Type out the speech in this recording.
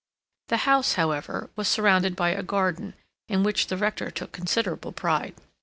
The house, however, was surrounded by a garden, in which the Rector took considerable pride.